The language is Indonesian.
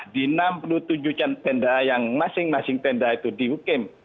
di enam puluh tujuh tenda yang masing masing tenda itu dihukim